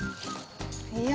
いや。